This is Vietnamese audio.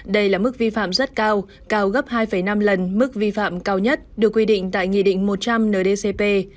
đây là mức vi phạm rất cao cao gấp hai năm lần mức vi phạm cao nhất được quy định tại nghị định một trăm linh ndcp